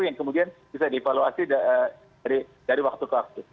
yang kemudian bisa dievaluasi dari waktu ke waktu